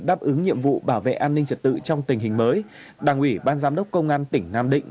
đáp ứng nhiệm vụ bảo vệ an ninh trật tự trong tình hình mới đảng ủy ban giám đốc công an tỉnh nam định